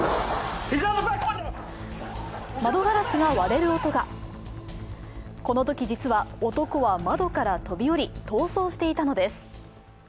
窓ガラスが割れる音がこのとき、実は男は窓から飛び降り逃走していたのです。